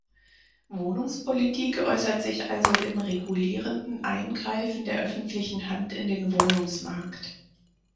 Wohnungspolitik äußert sich also im regulierenden Eingreifen der öffentlichen Hand in den Wohnungsmarkt.